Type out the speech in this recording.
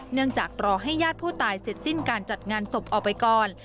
จากรอให้ญาติผู้ตายเสร็จสิ้นการจัดงานศพออกไปก่อน